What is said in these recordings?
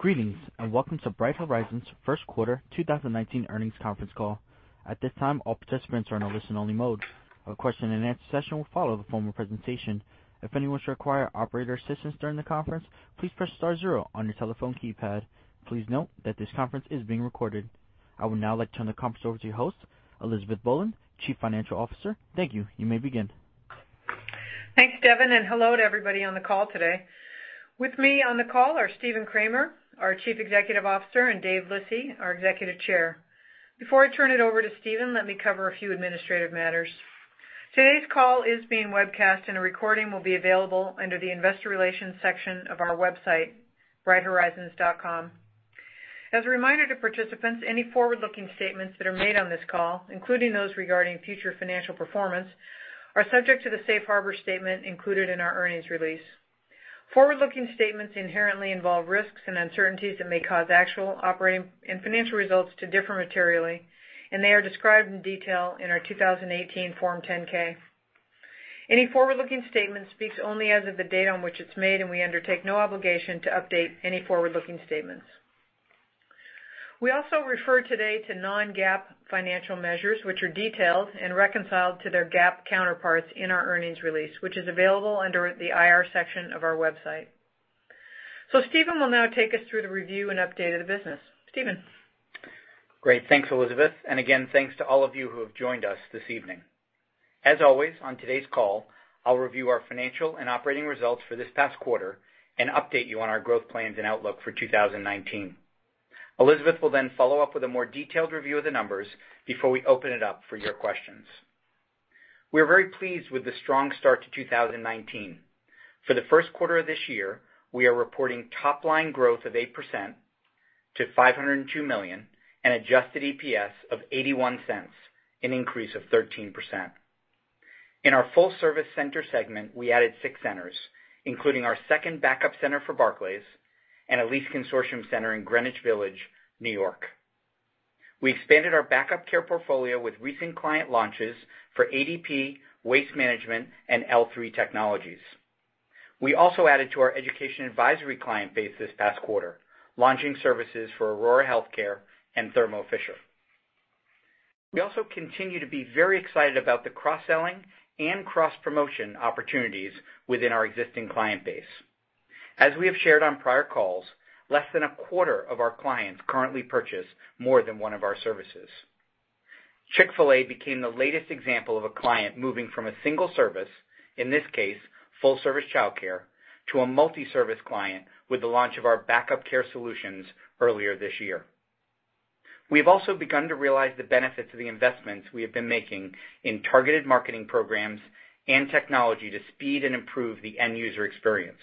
Greetings, welcome to Bright Horizons' first quarter 2019 earnings conference call. At this time, all participants are in a listen-only mode. A question-and-answer session will follow the formal presentation. If anyone should require operator assistance during the conference, please press star zero on your telephone keypad. Please note that this conference is being recorded. I would now like to turn the conference over to your host, Elizabeth Boland, Chief Financial Officer. Thank you. You may begin. Thanks, Devin, and hello to everybody on the call today. With me on the call are Stephen Kramer, our Chief Executive Officer, and Dave Lissy, our Executive Chair. Before I turn it over to Stephen, let me cover a few administrative matters. Today's call is being webcast and a recording will be available under the investor relations section of our website, brighthorizons.com. As a reminder to participants, any forward-looking statements that are made on this call, including those regarding future financial performance, are subject to the safe harbor statement included in our earnings release. Forward-looking statements inherently involve risks and uncertainties that may cause actual operating and financial results to differ materially, and they are described in detail in our 2018 Form 10-K. Any forward-looking statement speaks only as of the date on which it's made, and we undertake no obligation to update any forward-looking statements. We also refer today to non-GAAP financial measures, which are detailed and reconciled to their GAAP counterparts in our earnings release, which is available under the IR section of our website. Stephen will now take us through the review and update of the business. Stephen? Great. Thanks, Elizabeth. Again, thanks to all of you who have joined us this evening. As always, on today's call, I'll review our financial and operating results for this past quarter and update you on our growth plans and outlook for 2019. Elizabeth will then follow up with a more detailed review of the numbers before we open it up for your questions. We are very pleased with the strong start to 2019. For the first quarter of this year, we are reporting top-line growth of 8% to $502 million, an adjusted EPS of $0.81, an increase of 13%. In our full-service center segment, we added six centers, including our second backup center for Barclays and a lease consortium center in Greenwich Village, New York. We expanded our backup care portfolio with recent client launches for ADP, Waste Management, and L3 Technologies. We also added to our education advisory client base this past quarter, launching services for Aurora Health Care and Thermo Fisher. We also continue to be very excited about the cross-selling and cross-promotion opportunities within our existing client base. As we have shared on prior calls, less than a quarter of our clients currently purchase more than one of our services. Chick-fil-A became the latest example of a client moving from a single service, in this case, full-service childcare, to a multi-service client with the launch of our backup care solutions earlier this year. We have also begun to realize the benefits of the investments we have been making in targeted marketing programs and technology to speed and improve the end-user experience.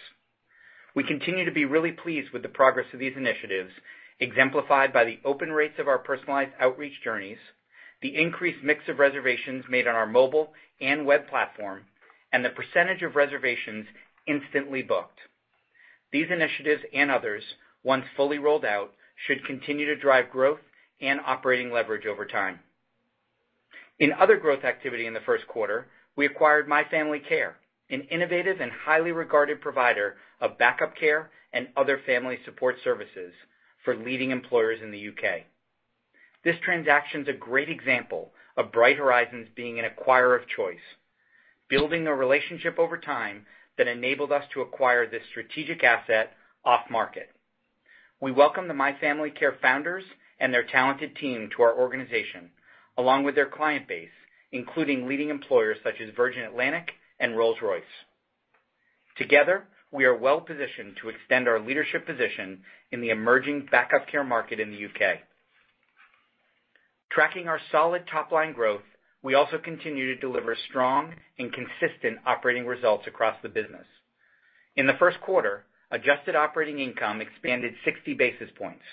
We continue to be really pleased with the progress of these initiatives, exemplified by the open rates of our personalized outreach journeys, the increased mix of reservations made on our mobile and web platform, and the percentage of reservations instantly booked. These initiatives and others, once fully rolled out, should continue to drive growth and operating leverage over time. In other growth activity in the first quarter, we acquired My Family Care, an innovative and highly regarded provider of backup care and other family support services for leading employers in the U.K. This transaction's a great example of Bright Horizons being an acquirer of choice, building a relationship over time that enabled us to acquire this strategic asset off-market. We welcome the My Family Care founders and their talented team to our organization, along with their client base, including leading employers such as Virgin Atlantic and Rolls-Royce. Together, we are well positioned to extend our leadership position in the emerging backup care market in the U.K. Tracking our solid top-line growth, we also continue to deliver strong and consistent operating results across the business. In the first quarter, adjusted operating income expanded 60 basis points.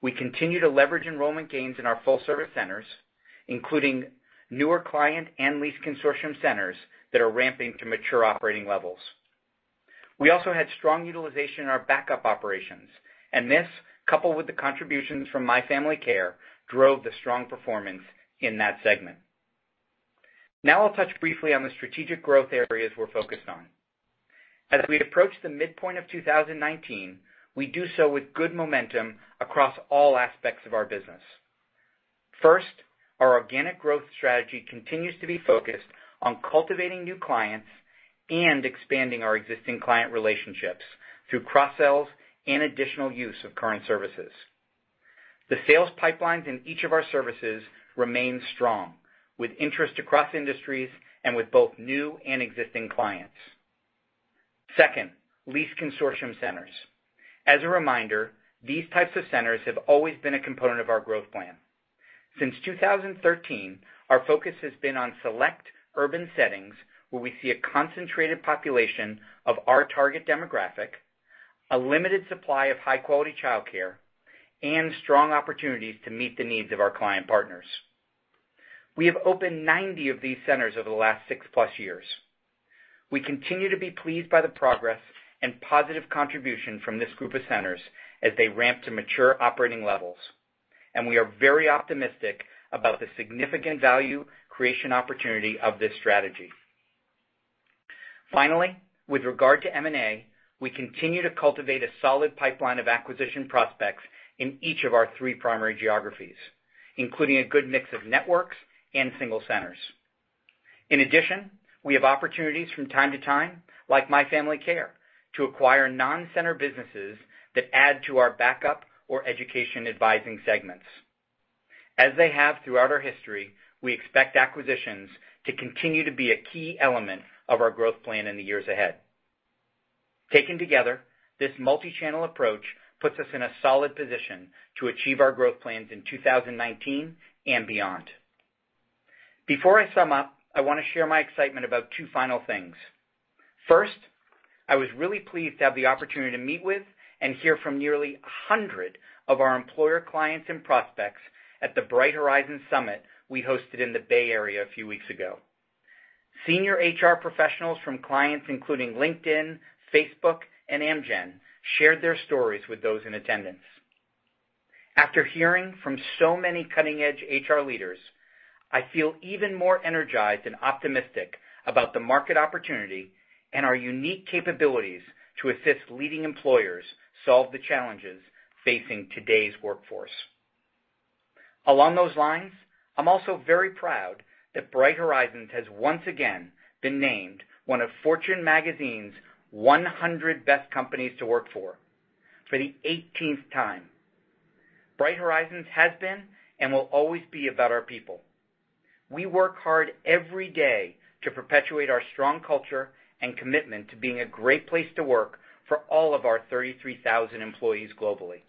We continue to leverage enrollment gains in our full-service centers, including newer client and lease consortium centers that are ramping to mature operating levels. We also had strong utilization in our backup operations, and this, coupled with the contributions from My Family Care, drove the strong performance in that segment. Now I'll touch briefly on the strategic growth areas we're focused on. As we approach the midpoint of 2019, we do so with good momentum across all aspects of our business. First, our organic growth strategy continues to be focused on cultivating new clients and expanding our existing client relationships through cross-sells and additional use of current services. The sales pipelines in each of our services remain strong, with interest across industries and with both new and existing clients. Second, lease consortium centers. As a reminder, these types of centers have always been a component of our growth plan. Since 2013, our focus has been on select urban settings where we see a concentrated population of our target demographic, a limited supply of high-quality childcare, and strong opportunities to meet the needs of our client partners. We have opened 90 of these centers over the last six-plus years. We continue to be pleased by the progress and positive contribution from this group of centers as they ramp to mature operating levels, and we are very optimistic about the significant value creation opportunity of this strategy. Finally, with regard to M&A, we continue to cultivate a solid pipeline of acquisition prospects in each of our three primary geographies, including a good mix of networks and single centers. In addition, we have opportunities from time to time, like My Family Care, to acquire non-center businesses that add to our backup or education advising segments. As they have throughout our history, we expect acquisitions to continue to be a key element of our growth plan in the years ahead. Taken together, this multi-channel approach puts us in a solid position to achieve our growth plans in 2019 and beyond. Before I sum up, I want to share my excitement about two final things. First, I was really pleased to have the opportunity to meet with and hear from nearly 100 of our employer clients and prospects at the Bright Horizons Summit we hosted in the Bay Area a few weeks ago. Senior HR professionals from clients including LinkedIn, Facebook, and Amgen shared their stories with those in attendance. After hearing from so many cutting-edge HR leaders, I feel even more energized and optimistic about the market opportunity and our unique capabilities to assist leading employers solve the challenges facing today's workforce. Along those lines, I'm also very proud that Bright Horizons has once again been named one of Fortune magazine's 100 best companies to work for the 18th time. Bright Horizons has been, and will always be about our people. We work hard every day to perpetuate our strong culture and commitment to being a great place to work for all of our 33,000 employees globally.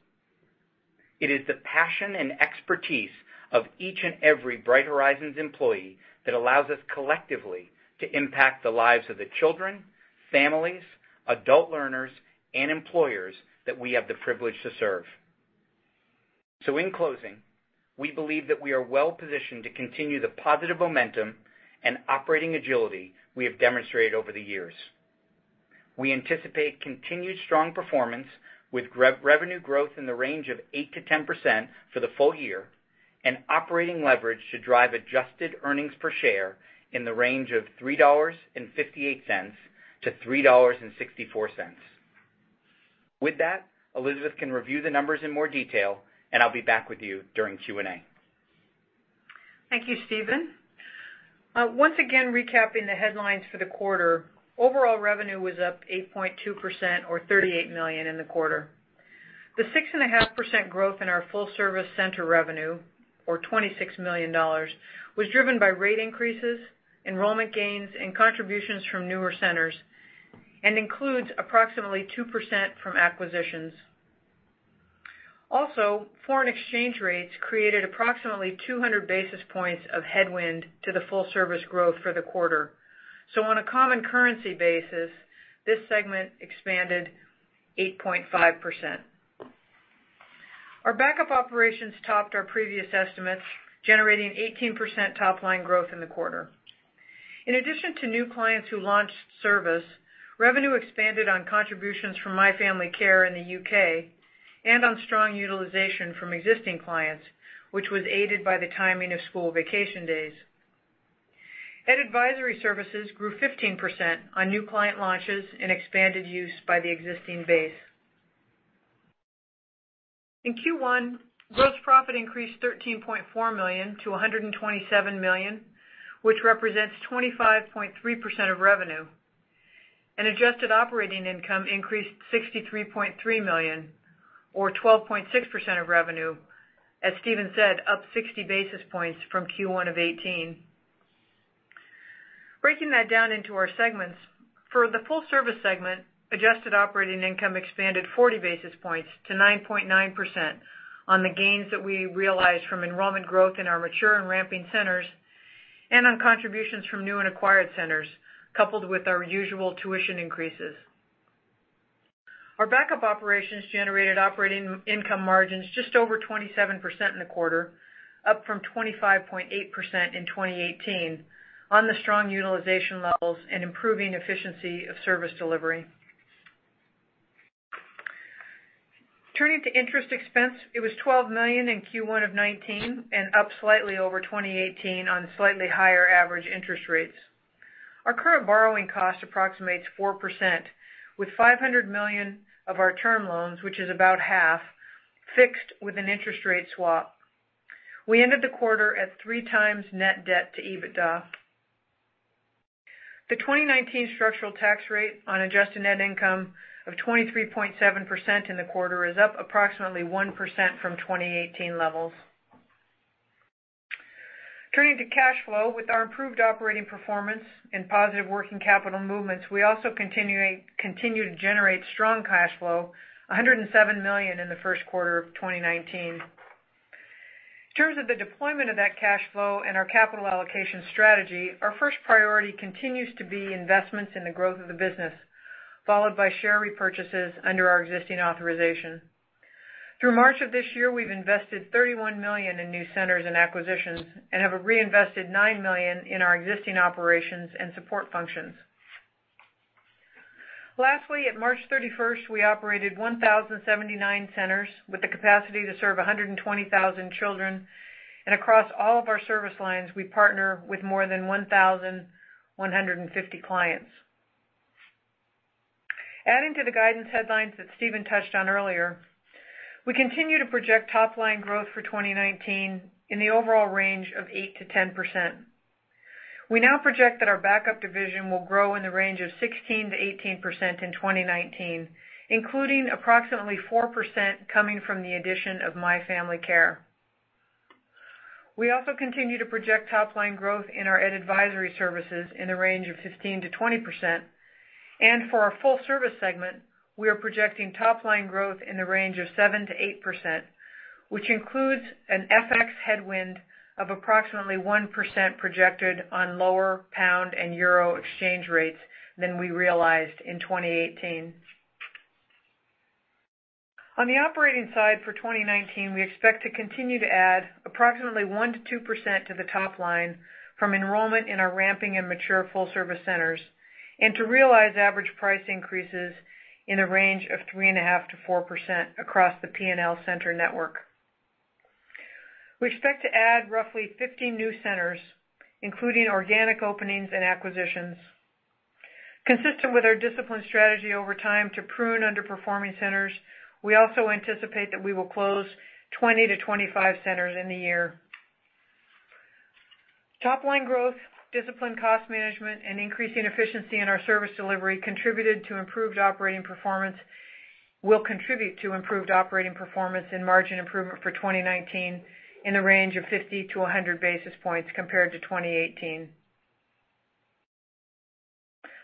It is the passion and expertise of each and every Bright Horizons employee that allows us collectively to impact the lives of the children, families, adult learners, and employers that we have the privilege to serve. In closing, we believe that we are well positioned to continue the positive momentum and operating agility we have demonstrated over the years. We anticipate continued strong performance with revenue growth in the range of 8%-10% for the full year, and operating leverage to drive adjusted earnings per share in the range of $3.58-$3.64. With that, Elizabeth can review the numbers in more detail, and I'll be back with you during Q&A. Thank you, Stephen. Once again, recapping the headlines for the quarter. Overall revenue was up 8.2%, or $38 million in the quarter. The 6.5% growth in our full-service center revenue, or $26 million, was driven by rate increases, enrollment gains, and contributions from newer centers, and includes approximately 2% from acquisitions. Also, foreign exchange rates created approximately 200 basis points of headwind to the full-service growth for the quarter. On a common currency basis, this segment expanded 8.5%. Our backup operations topped our previous estimates, generating 18% top-line growth in the quarter. In addition to new clients who launched service, revenue expanded on contributions from My Family Care in the U.K., and on strong utilization from existing clients, which was aided by the timing of school vacation days. Ed advisory services grew 15% on new client launches and expanded use by the existing base. In Q1, gross profit increased $13.4 million to $127 million, which represents 25.3% of revenue. Adjusted operating income increased $63.3 million, or 12.6% of revenue. As Stephen said, up 60 basis points from Q1 of 2018. Breaking that down into our segments. For the full service segment, adjusted operating income expanded 40 basis points to 9.9% on the gains that we realized from enrollment growth in our mature and ramping centers, and on contributions from new and acquired centers, coupled with our usual tuition increases. Our backup operations generated operating income margins just over 27% in the quarter, up from 25.8% in 2018 on the strong utilization levels and improving efficiency of service delivery. Turning to interest expense, it was $12 million in Q1 of 2019, up slightly over 2018 on slightly higher average interest rates. Our current borrowing cost approximates 4%, with $500 million of our term loans, which is about half, fixed with an interest rate swap. We ended the quarter at 3 times net debt to EBITDA. The 2019 structural tax rate on adjusted net income of 23.7% in the quarter is up approximately 1% from 2018 levels. Turning to cash flow. With our improved operating performance and positive working capital movements, we also continue to generate strong cash flow, $107 million in the first quarter of 2019. In terms of the deployment of that cash flow and our capital allocation strategy, our first priority continues to be investments in the growth of the business, followed by share repurchases under our existing authorization. Through March of this year, we've invested $31 million in new centers and acquisitions and have reinvested $9 million in our existing operations and support functions. Lastly, at March 31st, we operated 1,079 centers with the capacity to serve 120,000 children. Across all of our service lines, we partner with more than 1,150 clients. Adding to the guidance headlines that Stephen touched on earlier, we continue to project top-line growth for 2019 in the overall range of 8%-10%. We now project that our backup division will grow in the range of 16%-18% in 2019, including approximately 4% coming from the addition of My Family Care. We also continue to project top-line growth in our Ed advisory services in the range of 15%-20%. For our full service segment, we are projecting top-line growth in the range of 7%-8%, which includes an FX headwind of approximately 1% projected on lower GBP and EUR exchange rates than we realized in 2018. On the operating side for 2019, we expect to continue to add approximately 1%-2% to the top line from enrollment in our ramping and mature full-service centers, and to realize average price increases in the range of 3.5%-4% across the P&L center network. We expect to add roughly 50 new centers, including organic openings and acquisitions. Consistent with our discipline strategy over time to prune underperforming centers, we also anticipate that we will close 20-25 centers in the year. Top-line growth, discipline cost management, and increasing efficiency in our service delivery will contribute to improved operating performance and margin improvement for 2019 in the range of 50 to 100 basis points compared to 2018.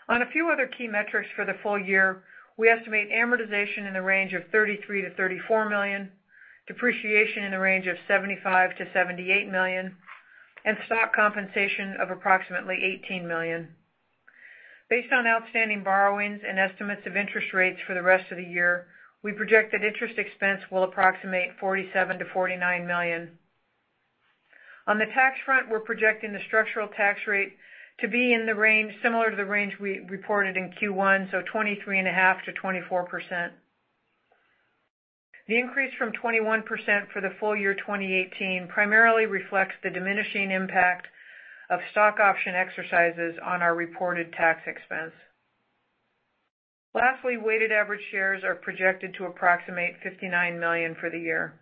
On a few other key metrics for the full year, we estimate amortization in the range of $33 million-$34 million, depreciation in the range of $75 million-$78 million, and stock compensation of approximately $18 million. Based on outstanding borrowings and estimates of interest rates for the rest of the year, we project that interest expense will approximate $47 million-$49 million. On the tax front, we're projecting the structural tax rate to be in the range similar to the range we reported in Q1, so 23.5%-24%. The increase from 21% for the full year 2018 primarily reflects the diminishing impact of stock option exercises on our reported tax expense. Lastly, weighted average shares are projected to approximate 59 million for the year.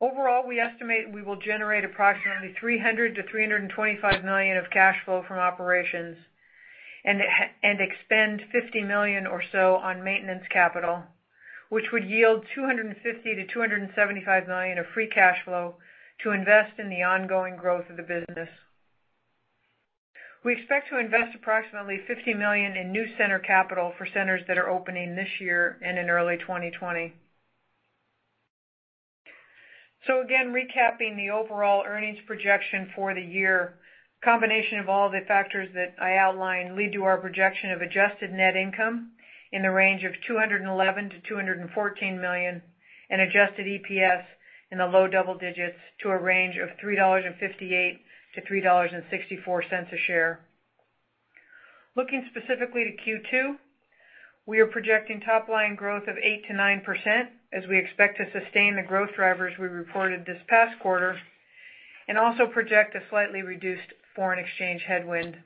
Overall, we estimate we will generate approximately $300 million-$325 million of cash flow from operations, and expend $50 million or so on maintenance capital, which would yield $250 million-$275 million of free cash flow to invest in the ongoing growth of the business. We expect to invest approximately $50 million in new center capital for centers that are opening this year and in early 2020. Again, recapping the overall earnings projection for the year, combination of all the factors that I outlined lead to our projection of adjusted net income in the range of $211 million-$214 million and adjusted EPS in the low double digits to a range of $3.58-$3.64 a share. Looking specifically to Q2, we are projecting top-line growth of 8%-9% as we expect to sustain the growth drivers we reported this past quarter and also project a slightly reduced foreign exchange headwind.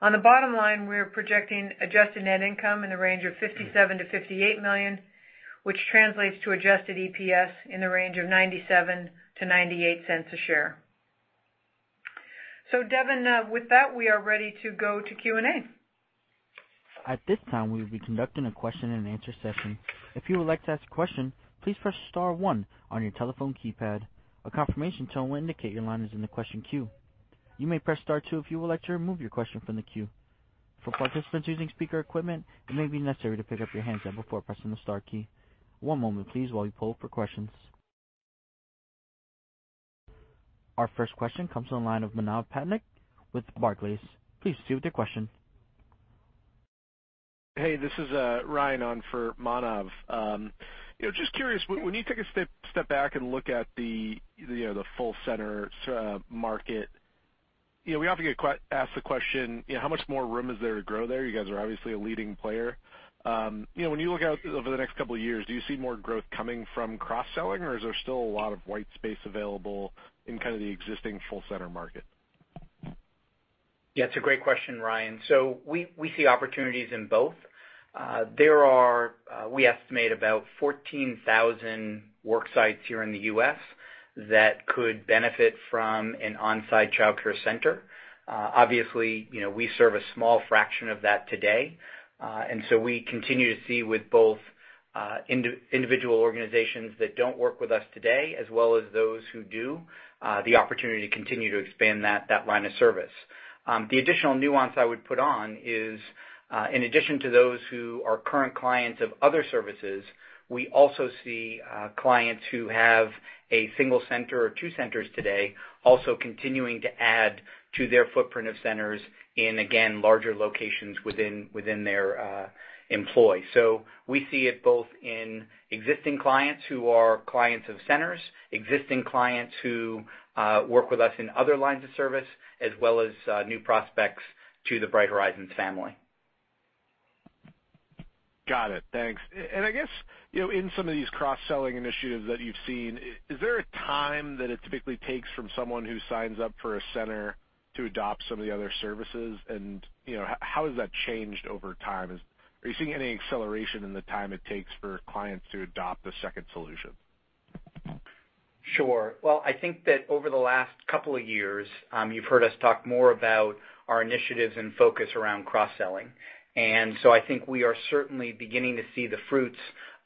On the bottom line, we are projecting adjusted net income in the range of $57 million-$58 million, which translates to adjusted EPS in the range of $0.97-$0.98 a share. Devin, with that, we are ready to go to Q&A. At this time, we will be conducting a question-and-answer session. If you would like to ask a question, please press star one on your telephone keypad. A confirmation tone will indicate your line is in the question queue. You may press star two if you would like to remove your question from the queue. For participants using speaker equipment, it may be necessary to pick up your handset before pressing the star key. One moment please while we poll for questions. Our first question comes on line of Manav Patnaik with Barclays. Please proceed with your question. Curious, when you take a step back and look at the full center market, we often get asked the question, how much more room is there to grow there? You guys are obviously a leading player. When you look out over the next couple of years, do you see more growth coming from cross-selling, or is there still a lot of white space available in the existing full center market? It's a great question, Ryan. We see opportunities in both. There are, we estimate about 14,000 work sites here in the U.S. that could benefit from an on-site childcare center. Obviously, we serve a small fraction of that today. We continue to see with both individual organizations that don't work with us today as well as those who do, the opportunity to continue to expand that line of service. The additional nuance I would put on is, in addition to those who are current clients of other services, we also see clients who have a single center or two centers today also continuing to add to their footprint of centers in, again, larger locations within their employ. We see it both in existing clients who are clients of centers, existing clients who work with us in other lines of service, as well as new prospects to the Bright Horizons family. Got it. Thanks. I guess, in some of these cross-selling initiatives that you've seen, is there a time that it typically takes from someone who signs up for a center to adopt some of the other services? How has that changed over time? Are you seeing any acceleration in the time it takes for clients to adopt a second solution? Sure. Well, I think that over the last couple of years, you've heard us talk more about our initiatives and focus around cross-selling. I think we are certainly beginning to see the fruits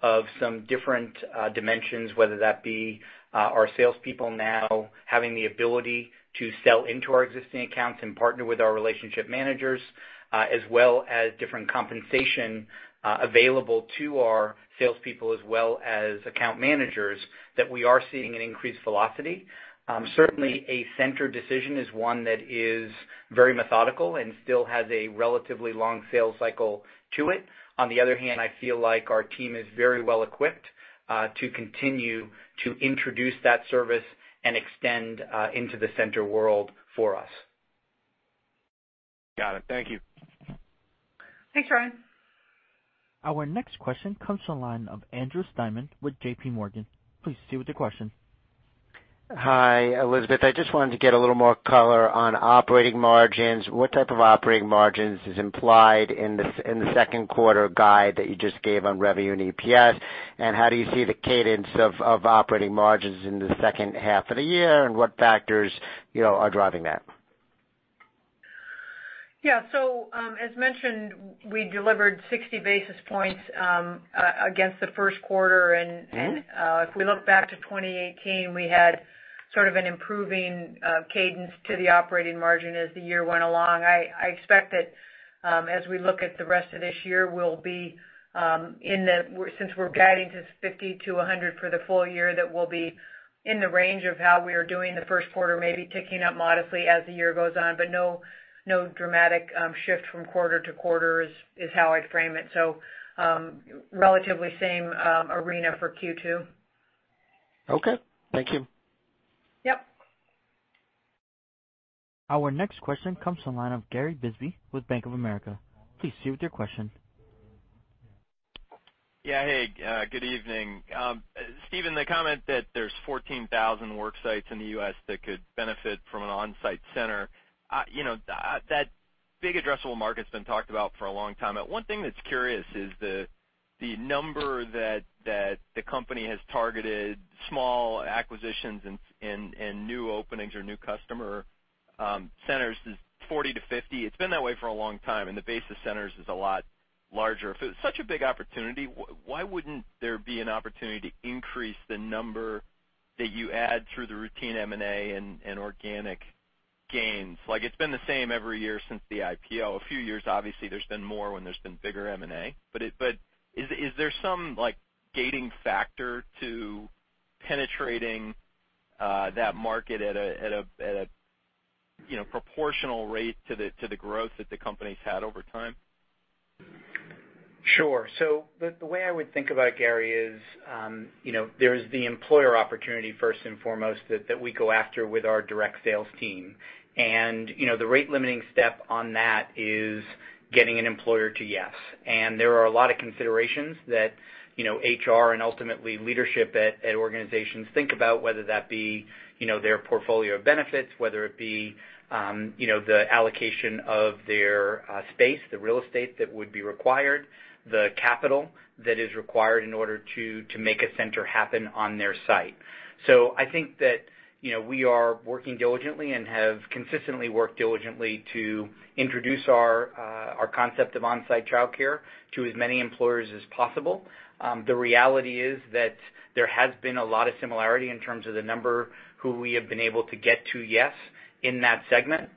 of some different dimensions, whether that be our salespeople now having the ability to sell into our existing accounts and partner with our relationship managers, as well as different compensation available to our salespeople as well as account managers, that we are seeing an increased velocity. Certainly, a center decision is one that is very methodical and still has a relatively long sales cycle to it. On the other hand, I feel like our team is very well equipped to continue to introduce that service and extend into the center world for us. Got it. Thank you. Thanks, Ryan. Our next question comes to the line of Andrew Steinerman with JPMorgan. Please proceed with your question. Hi, Elizabeth. I just wanted to get a little more color on operating margins. What type of operating margins is implied in the second quarter guide that you just gave on revenue and EPS, and how do you see the cadence of operating margins in the second half of the year, and what factors are driving that? Yeah. As mentioned, we delivered 60 basis points against the first quarter, and if we look back to 2018, we had sort of an improving cadence to the operating margin as the year went along. I expect that as we look at the rest of this year, since we're guiding to 50-100 basis points for the full year, that we'll be in the range of how we are doing the first quarter, maybe ticking up modestly as the year goes on, but no dramatic shift from quarter to quarter is how I'd frame it. Relatively same arena for Q2. Okay. Thank you. Yep. Our next question comes to the line of Gary Bisbee with Bank of America. Please proceed with your question. Yeah. Hey, good evening. Stephen, the comment that there's 14,000 work sites in the U.S. that could benefit from an on-site center. That big addressable market's been talked about for a long time. One thing that's curious is the number that the company has targeted small acquisitions and new openings or new customer centers is 40-50. It's been that way for a long time, and the base of centers is a lot larger. If it was such a big opportunity, why wouldn't there be an opportunity to increase the number that you add through the routine M&A and organic gains? It's been the same every year since the IPO. A few years, obviously, there's been more when there's been bigger M&A. Is there some gating factor to penetrating that market at a proportional rate to the growth that the company's had over time? Sure. The way I would think about it, Gary, is there's the employer opportunity, first and foremost, that we go after with our direct sales team. The rate limiting step on that is getting an employer to yes. There are a lot of considerations that HR and ultimately leadership at organizations think about, whether that be their portfolio of benefits, whether it be the allocation of their space, the real estate that would be required, the capital that is required in order to make a center happen on their site. I think that we are working diligently and have consistently worked diligently to introduce our concept of on-site childcare to as many employers as possible. The reality is that there has been a lot of similarity in terms of the number who we have been able to get to yes in that segment.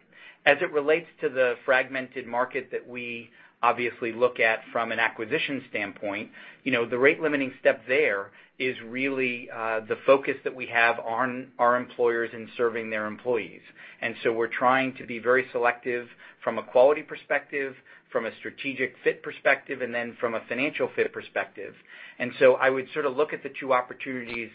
As it relates to the fragmented market that we obviously look at from an acquisition standpoint, the rate limiting step there is really the focus that we have on our employers in serving their employees. We're trying to be very selective from a quality perspective, from a strategic fit perspective, and then from a financial fit perspective. I would sort of look at the two opportunities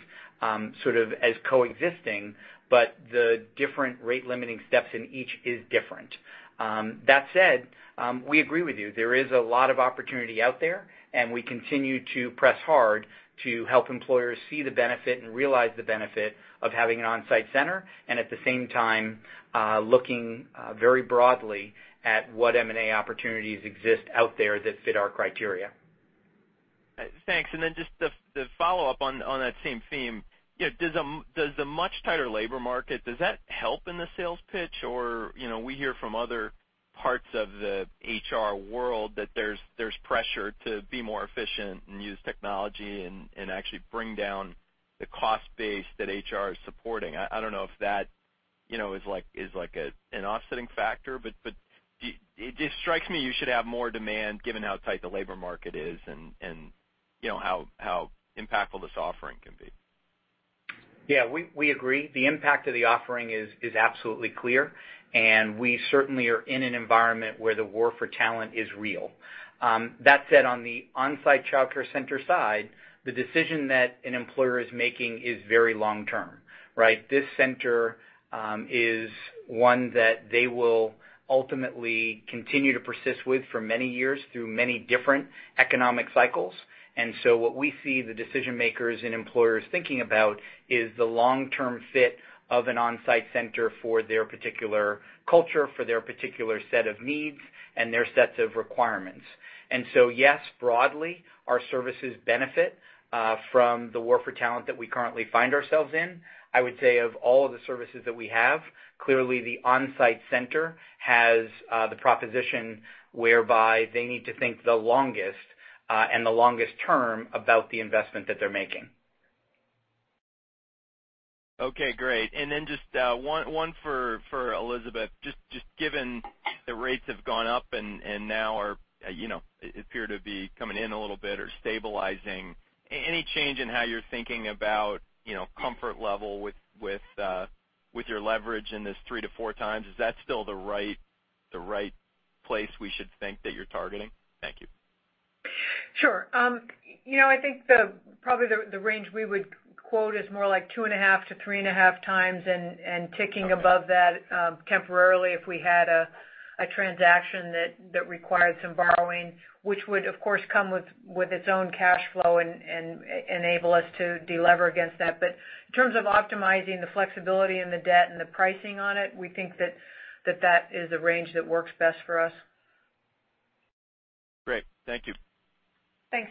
sort of as coexisting, but the different rate limiting steps in each is different. That said, we agree with you. There is a lot of opportunity out there, and we continue to press hard to help employers see the benefit and realize the benefit of having an on-site center, and at the same time, looking very broadly at what M&A opportunities exist out there that fit our criteria. Thanks. Just the follow-up on that same theme. Does the much tighter labor market, does that help in the sales pitch? We hear from other parts of the HR world that there's pressure to be more efficient and use technology and actually bring down the cost base that HR is supporting. I don't know if that is an offsetting factor, but it just strikes me you should have more demand given how tight the labor market is and how impactful this offering can be. Yeah, we agree. The impact of the offering is absolutely clear, and we certainly are in an environment where the war for talent is real. That said, on the on-site childcare center side, the decision that an employer is making is very long-term, right? This center is one that they will ultimately continue to persist with for many years through many different economic cycles. What we see the decision-makers and employers thinking about is the long-term fit of an on-site center for their particular culture, for their particular set of needs, and their sets of requirements. Yes, broadly, our services benefit from the war for talent that we currently find ourselves in. I would say of all of the services that we have, clearly, the on-site center has the proposition whereby they need to think the longest and the longest term about the investment that they're making. Okay, great. Just one for Elizabeth. Given the rates have gone up and now appear to be coming in a little bit or stabilizing, any change in how you're thinking about comfort level with your leverage in this 3 times-4 times? Is that still the right place we should think that you're targeting? Thank you. Sure. I think probably the range we would quote is more like 2.5 times-3.5 times, ticking above that temporarily if we had a transaction that required some borrowing, which would, of course, come with its own cash flow and enable us to de-lever against that. In terms of optimizing the flexibility and the debt and the pricing on it, we think that is a range that works best for us. Great. Thank you. Thanks.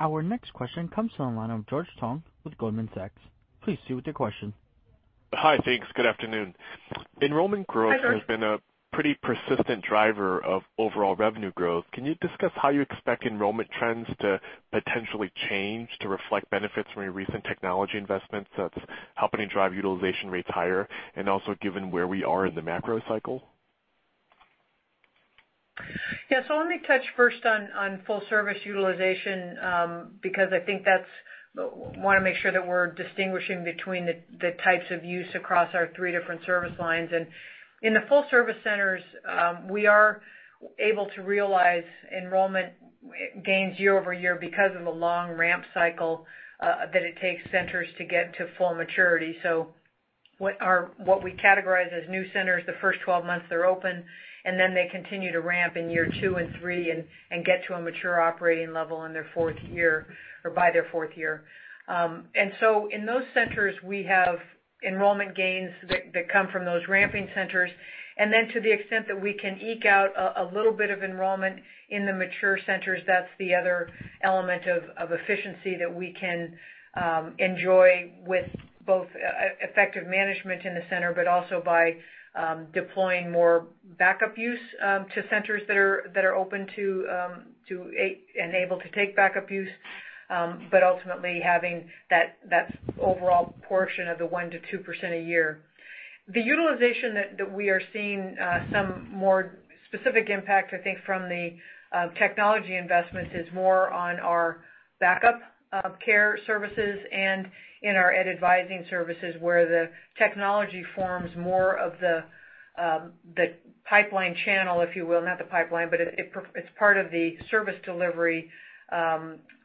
Our next question comes from the line of George Tong with Goldman Sachs. Please proceed with your question. Hi. Thanks. Good afternoon. Hi, George. Enrollment growth has been a pretty persistent driver of overall revenue growth. Can you discuss how you expect enrollment trends to potentially change to reflect benefits from your recent technology investments that is helping drive utilization rates higher, and also given where we are in the macro cycle? Yeah. Let me touch first on full service utilization, because I think we want to make sure that we are distinguishing between the types of use across our three different service lines. In the full-service centers, we are able to realize enrollment gains year-over-year because of the long ramp cycle that it takes centers to get to full maturity. What we categorize as new centers the first 12 months they are open, and then they continue to ramp in year two and three and get to a mature operating level in their fourth year or by their fourth year. In those centers, we have enrollment gains that come from those ramping centers. To the extent that we can eke out a little bit of enrollment in the mature centers, that is the other element of efficiency that we can enjoy with both effective management in the center, but also by deploying more backup use to centers that are open to and able to take backup use, but ultimately having that overall portion of the 1%-2% a year. The utilization that we are seeing some more specific impact, I think, from the technology investment is more on our backup care services and in our ed advising services, where the technology forms more of the pipeline channel, if you will. Not the pipeline, but it is part of the service delivery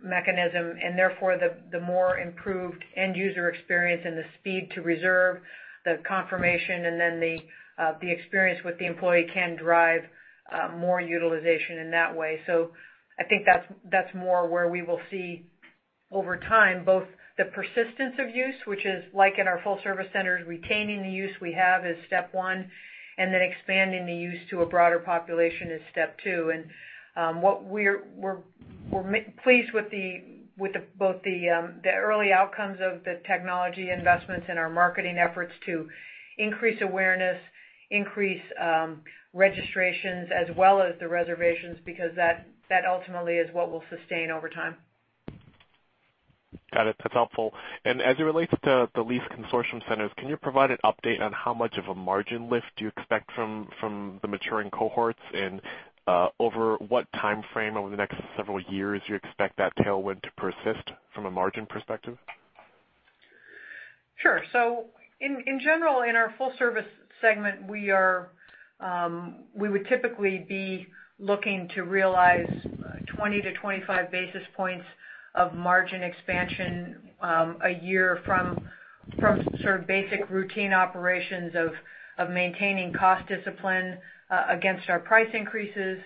mechanism and therefore, the more improved end-user experience and the speed to reserve the confirmation, and then the experience with the employee can drive more utilization in that way. I think that is more where we will see over time both the persistence of use, which is like in our full-service centers, retaining the use we have is step one, and then expanding the use to a broader population is step two. We are pleased with both the early outcomes of the technology investments and our marketing efforts to increase awareness, increase registrations, as well as the reservations, because that ultimately is what will sustain over time. That's helpful. As it relates to the lease consortium centers, can you provide an update on how much of a margin lift you expect from the maturing cohorts and over what timeframe over the next several years you expect that tailwind to persist from a margin perspective? Sure. In general, in our full service segment, we would typically be looking to realize 20 to 25 basis points of margin expansion a year from sort of basic routine operations of maintaining cost discipline against our price increases,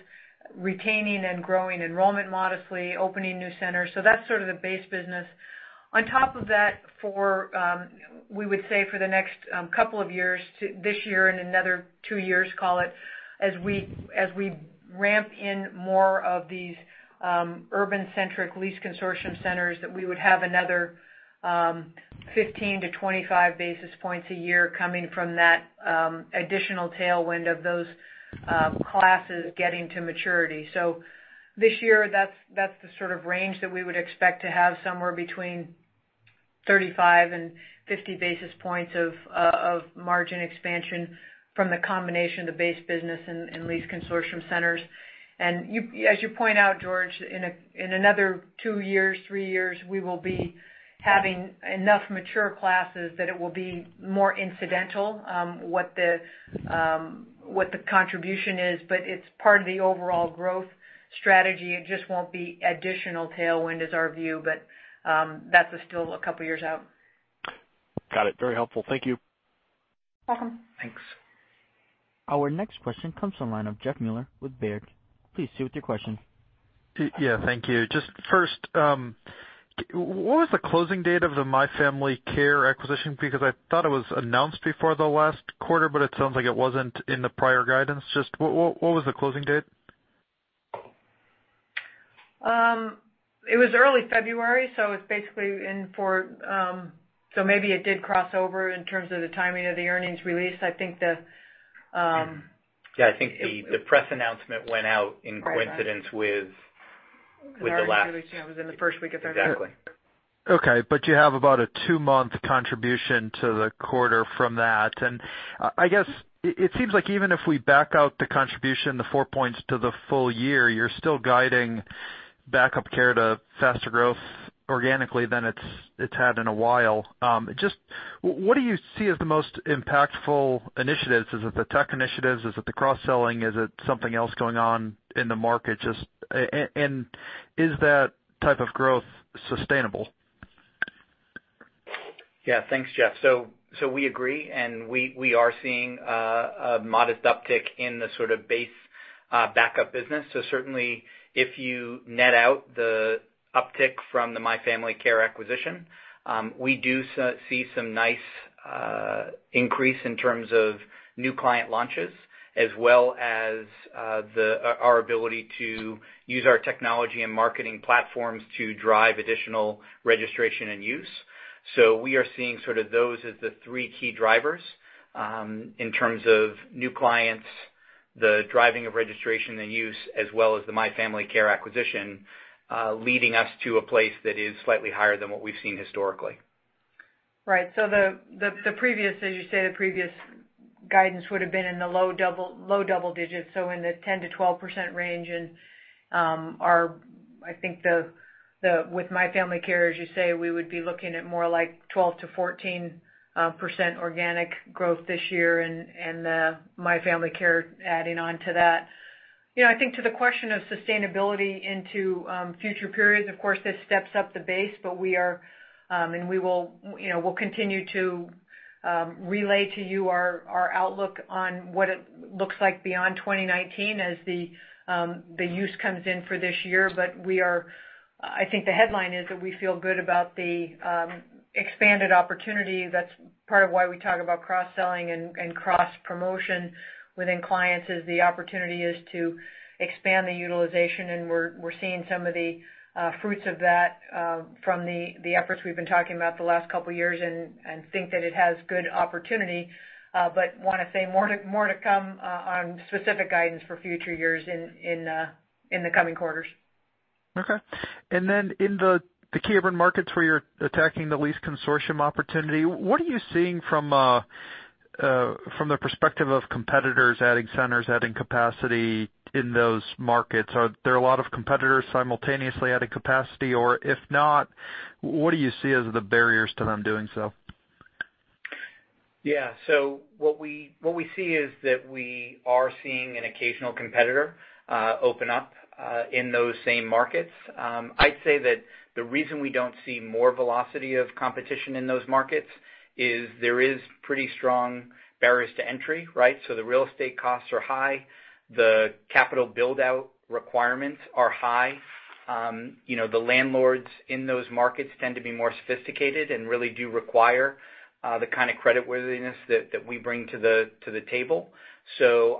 retaining and growing enrollment modestly, opening new centers. That's sort of the base business. On top of that, we would say for the next couple of years, this year and another two years, call it, as we ramp in more of these urban-centric lease consortium centers, that we would have another 15 to 25 basis points a year coming from that additional tailwind of those classes getting to maturity. This year, that's the sort of range that we would expect to have somewhere between 35 and 50 basis points of margin expansion from the combination of the base business and leased consortium centers. As you point out, George, in another two years, three years, we will be having enough mature classes that it will be more incidental what the contribution is, it's part of the overall growth strategy. It just won't be additional tailwind is our view. That is still a couple of years out. Got it. Very helpful. Thank you. Welcome. Thanks. Our next question comes from line of Jeff Meuler with Baird. Please proceed with your question. Yeah. Thank you. Just first, what was the closing date of the My Family Care acquisition? I thought it was announced before the last quarter, but it sounds like it wasn't in the prior guidance. Just what was the closing date? It was early February, it's basically in. Maybe it did cross over in terms of the timing of the earnings release. Yeah, I think the press announcement went out. It was in the first week of February. Exactly. Okay. You have about a two-month contribution to the quarter from that. I guess, it seems like even if we back out the contribution, the four points to the full year, you're still guiding backup care to faster growth organically than it's had in a while. Just what do you see as the most impactful initiatives? Is it the tech initiatives? Is it the cross-selling? Is it something else going on in the market? Is that type of growth sustainable? Yeah. Thanks, Jeff. We agree, we are seeing a modest uptick in the sort of base backup business. Certainly, if you net out the uptick from the My Family Care acquisition, we do see some nice increase in terms of new client launches, as well as our ability to use our technology and marketing platforms to drive additional registration and use. We are seeing sort of those as the three key drivers, in terms of new clients, the driving of registration and use, as well as the My Family Care acquisition, leading us to a place that is slightly higher than what we've seen historically. Right. The previous, as you say, the previous guidance would have been in the low double digits, so in the 10%-12% range. With My Family Care, as you say, we would be looking at more like 12%-14% organic growth this year and the My Family Care adding on to that. I think to the question of sustainability into future periods, of course, this steps up the base, we are, we'll continue to relay to you our outlook on what it looks like beyond 2019 as the use comes in for this year. We are, I think the headline is that we feel good about the expanded opportunity. That's part of why we talk about cross-selling and cross-promotion within clients, is the opportunity is to expand the utilization, and we're seeing some of the fruits of that from the efforts we've been talking about the last couple of years and think that it has good opportunity. Want to say more to come on specific guidance for future years in the coming quarters. Okay. In the key urban markets where you're attacking the leased consortium opportunity, what are you seeing from the perspective of competitors adding centers, adding capacity in those markets? Are there a lot of competitors simultaneously adding capacity? If not, what do you see as the barriers to them doing so? Yeah. What we see is that we are seeing an occasional competitor open up in those same markets. I'd say that the reason we don't see more velocity of competition in those markets is there is pretty strong barriers to entry, right? The real estate costs are high. The capital build-out requirements are high. The landlords in those markets tend to be more sophisticated and really do require the kind of creditworthiness that we bring to the table.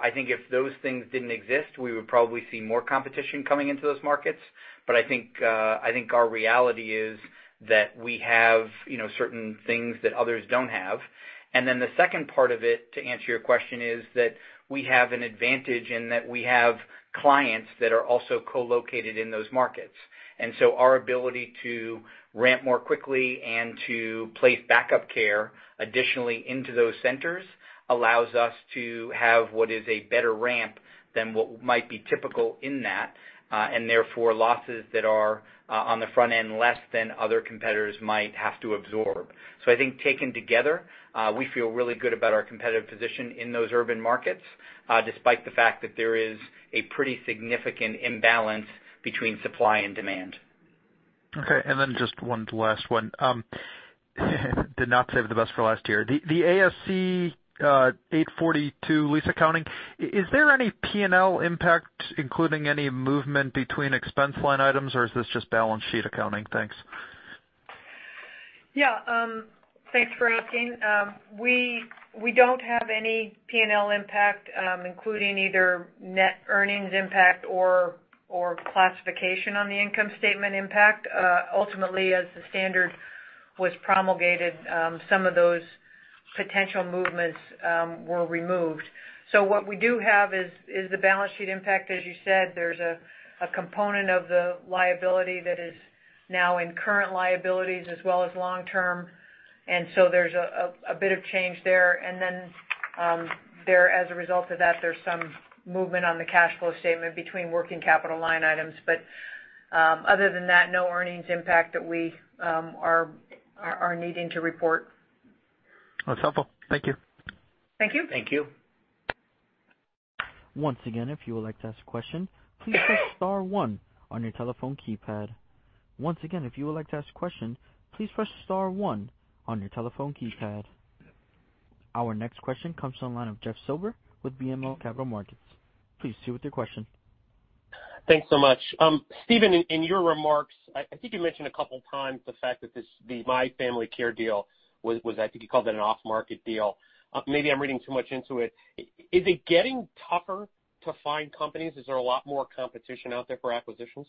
I think if those things didn't exist, we would probably see more competition coming into those markets. I think our reality is that we have certain things that others don't have. The second part of it, to answer your question, is that we have an advantage in that we have clients that are also co-located in those markets. Our ability to ramp more quickly and to place backup care additionally into those centers allows us to have what is a better ramp than what might be typical in that, and therefore, losses that are on the front end less than other competitors might have to absorb. I think taken together, we feel really good about our competitive position in those urban markets, despite the fact that there is a pretty significant imbalance between supply and demand. Okay, just one last one. Did not save the best for last here. The ASC 842 lease accounting, is there any P&L impact, including any movement between expense line items, or is this just balance sheet accounting? Thanks. Yeah. Thanks for asking. We don't have any P&L impact, including either net earnings impact or classification on the income statement impact. Ultimately, as the standard was promulgated, some of those potential movements were removed. What we do have is the balance sheet impact. As you said, there's a component of the liability that is now in current liabilities as well as long-term. There's a bit of change there. There as a result of that, there's some movement on the cash flow statement between working capital line items. Other than that, no earnings impact that we are needing to report. That's helpful. Thank you. Thank you. Thank you. Once again, if you would like to ask a question, please press star one on your telephone keypad. Once again, if you would like to ask a question, please press star one on your telephone keypad. Our next question comes from the line of Jeff Silber with BMO Capital Markets. Please proceed with your question. Thanks so much. Stephen, in your remarks, I think you mentioned a couple of times the fact that the My Family Care deal was, I think you called it an off-market deal. Maybe I'm reading too much into it. Is it getting tougher to find companies? Is there a lot more competition out there for acquisitions?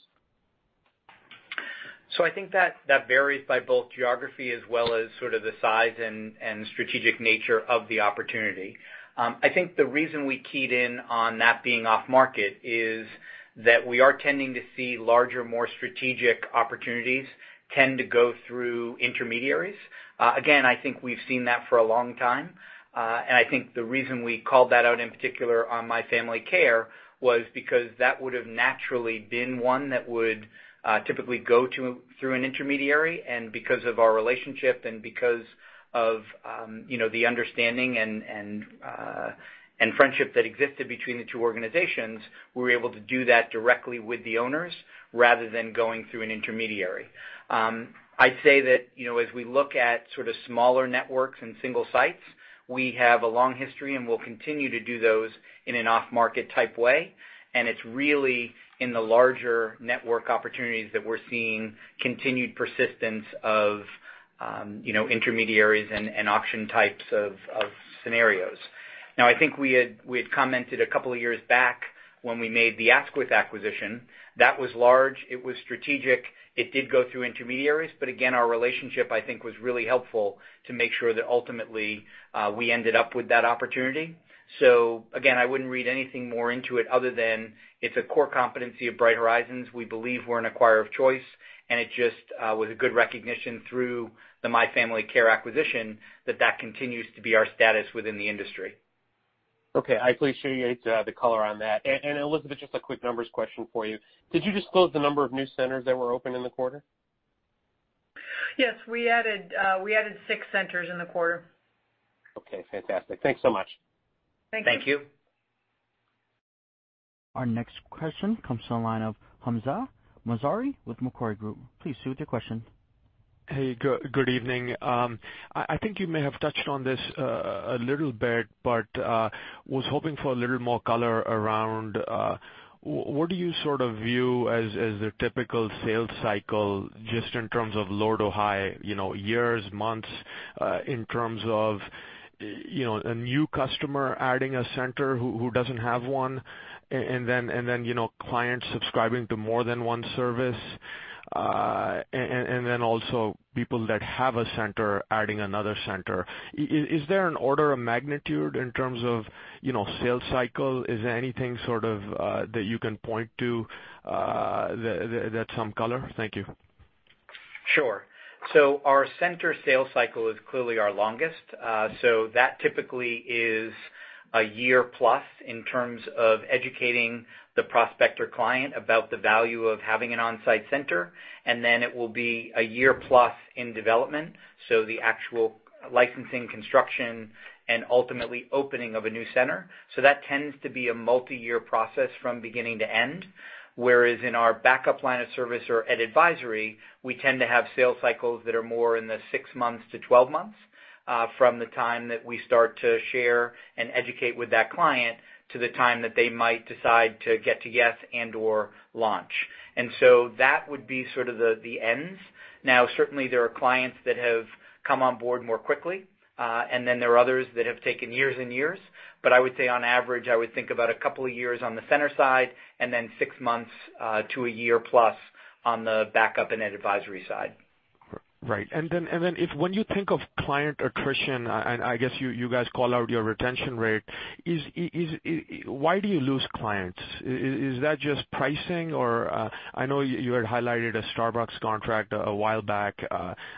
I think that varies by both geography as well as sort of the size and strategic nature of the opportunity. I think the reason we keyed in on that being off-market is that we are tending to see larger, more strategic opportunities tend to go through intermediaries. Again, I think we've seen that for a long time. I think the reason we called that out in particular on My Family Care was because that would have naturally been one that would typically go through an intermediary. Because of our relationship and because of the understanding and friendship that existed between the two organizations, we were able to do that directly with the owners rather than going through an intermediary. I'd say that as we look at sort of smaller networks and single sites, we have a long history, and we'll continue to do those in an off-market type way. It's really in the larger network opportunities that we're seeing continued persistence of intermediaries and auction types of scenarios. I think we had commented a couple of years back when we made the Asquith acquisition. That was large. It was strategic. It did go through intermediaries. Again, our relationship, I think, was really helpful to make sure that ultimately, we ended up with that opportunity. Again, I wouldn't read anything more into it other than it's a core competency of Bright Horizons. We believe we're an acquirer of choice, and it just was a good recognition through the My Family Care acquisition that that continues to be our status within the industry. Okay. I appreciate the color on that. Elizabeth, just a quick numbers question for you. Did you disclose the number of new centers that were open in the quarter? Yes. We added six centers in the quarter. Okay. Fantastic. Thanks so much. Thank you. Thank you. Our next question comes to the line of Hamzah Mazari with Macquarie Group. Please proceed with your question. Hey, good evening. I think you may have touched on this a little bit, but was hoping for a little more color around what do you sort of view as the typical sales cycle, just in terms of low to high, years, months, in terms of a new customer adding a center who doesn't have one, and then clients subscribing to more than one service, and then also people that have a center adding another center. Is there an order of magnitude in terms of sales cycle? Is there anything sort of that you can point to that's some color? Thank you. Sure. Our center sales cycle is clearly our longest. That typically is a year plus in terms of educating the prospect or client about the value of having an on-site center. It will be a year plus in development, so the actual licensing, construction, and ultimately opening of a new center. That tends to be a multi-year process from beginning to end. Whereas in our backup line of service or ed advisory, we tend to have sales cycles that are more in the six months-12 months, from the time that we start to share and educate with that client to the time that they might decide to get to yes and/or launch. That would be sort of the ends. Certainly, there are clients that have come on board more quickly, there are others that have taken years and years. I would say, on average, I would think about a couple of years on the center side and then six months to a year plus on the backup and ed advisory side. Right. If when you think of client attrition, I guess you guys call out your retention rate, why do you lose clients? Is that just pricing? I know you had highlighted a Starbucks contract a while back,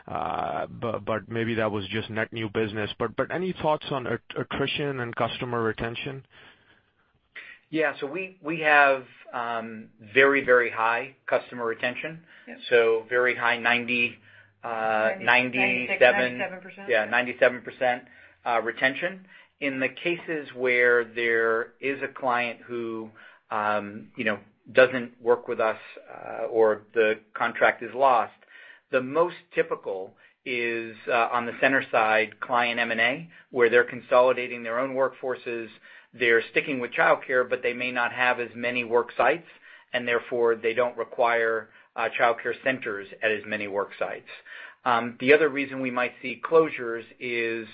but maybe that was just net new business. Any thoughts on attrition and customer retention? Yeah. We have very high customer retention. Yes. very high, 96, 97%. Yeah, 97% retention. In the cases where there is a client who doesn't work with us or the contract is lost. The most typical is on the center side, client M&A, where they're consolidating their own workforces. They're sticking with childcare, but they may not have as many work sites, and therefore they don't require childcare centers at as many work sites. The other reason we might see closures is,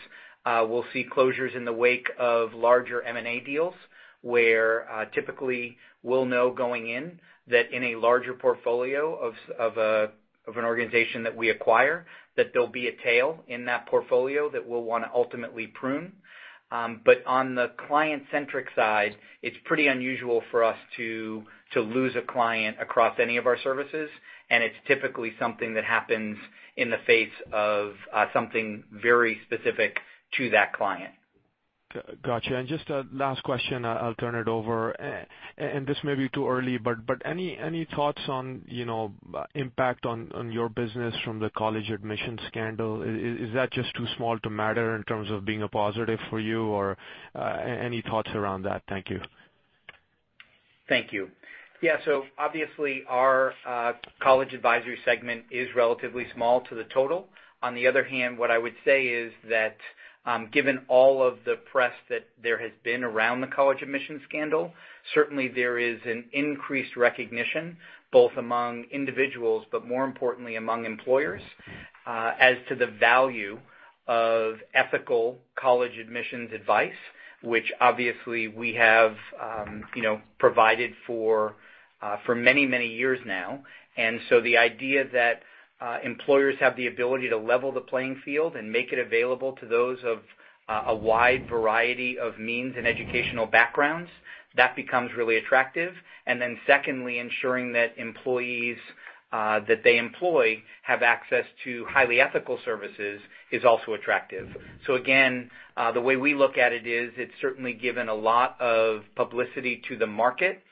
we'll see closures in the wake of larger M&A deals, where typically we'll know going in that in a larger portfolio of an organization that we acquire, that there'll be a tail in that portfolio that we'll want to ultimately prune. On the client-centric side, it's pretty unusual for us to lose a client across any of our services, and it's typically something that happens in the face of something very specific to that client. Got you. Just a last question, I'll turn it over. This may be too early, but any thoughts on impact on your business from the college admission scandal? Is that just too small to matter in terms of being a positive for you? Or any thoughts around that? Thank you. Thank you. Obviously our college advisory segment is relatively small to the total. On the other hand, what I would say is that, given all of the press that there has been around the college admission scandal, certainly there is an increased recognition, both among individuals, but more importantly among employers, as to the value of ethical college admissions advice, which obviously we have provided for many, many years now. The idea that employers have the ability to level the playing field and make it available to those of a wide variety of means and educational backgrounds, that becomes really attractive. Secondly, ensuring that employees that they employ have access to highly ethical services is also attractive. Again, the way we look at it is, it's certainly given a lot of publicity to the market.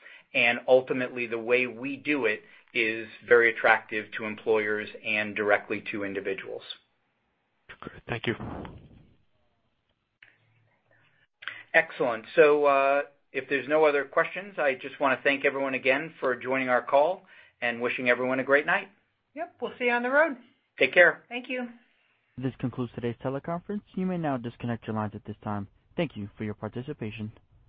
Ultimately the way we do it is very attractive to employers and directly to individuals. Great. Thank you. Excellent. If there's no other questions, I just want to thank everyone again for joining our call and wishing everyone a great night. Yep. We'll see you on the road. Take care. Thank you. This concludes today's teleconference. You may now disconnect your lines at this time. Thank you for your participation.